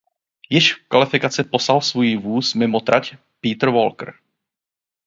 Již v kvalifikaci poslal svůj vůz mimo trať Peter Walker.